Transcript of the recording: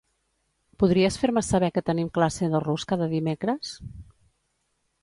Podries fer-me saber que tenim classe de rus cada dimecres?